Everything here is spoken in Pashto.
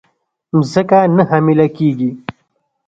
مځکه نه حامله کیږې